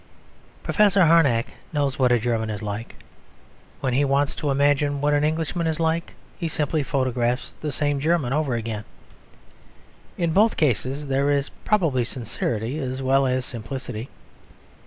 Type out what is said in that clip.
Professor Harnack knows what a German is like. When he wants to imagine what an Englishman is like, he simply photographs the same German over again. In both cases there is probably sincerity as well as simplicity.